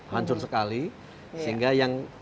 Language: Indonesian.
hancur sekali sehingga yang